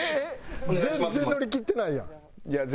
全然乗り切ってないやん。